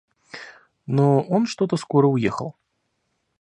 Но он что-то скоро уехал.